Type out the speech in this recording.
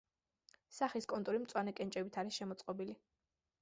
სახის კონტური მწვანე კენჭებით არის შემოწყობილი.